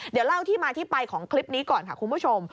เดี๋ยวเล่าที่มาที่ไปของคลิปนี้ก่อนค่ะคุณผู้ชม